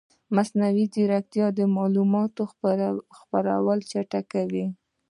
مصنوعي ځیرکتیا د معلوماتو خپرول چټکوي.